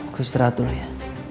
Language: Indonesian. aku istirahat dulu ya